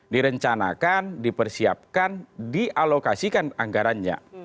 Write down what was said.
direncanakan dipersiapkan dialokasikan anggarannya